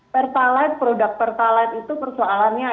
pertalite produk pertalite itu persoalannya